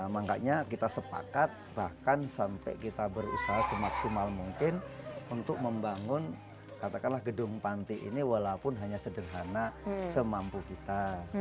makanya kita sepakat bahkan sampai kita berusaha semaksimal mungkin untuk membangun katakanlah gedung panti ini walaupun hanya sederhana semampu kita